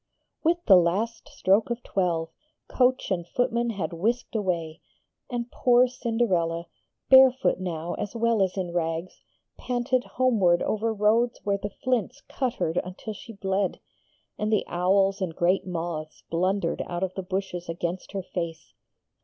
With the last stroke of twelve, coach and footmen had whisked away, and poor Cinderella, barefoot now as well as in rags, panted homeward over roads where the flints cut her until she bled, and the owls and great moths blundered out of the bushes against her face.